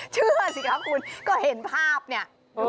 เชื่อสิคะคุณก็เห็นภาพเนี่ย